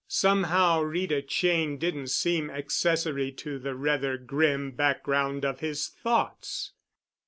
Somehow Rita Cheyne didn't seem accessory to the rather grim background of his thoughts.